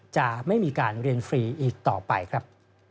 จะไม่มีการเรียนฟรีอีกต่อไปครับ